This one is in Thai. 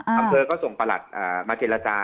อำเภอก็ส่งประหลัดมาเจรจา